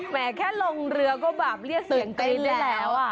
แหมแค่ลงเรือก็บาปเรียกเสียงกรี๊ดแล้ว